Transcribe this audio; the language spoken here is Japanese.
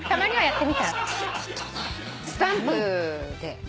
スタンプで。